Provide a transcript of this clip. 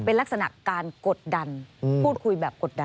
เป็นลักษณะการกดดันพูดคุยแบบกดดัน